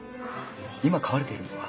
今飼われているのは？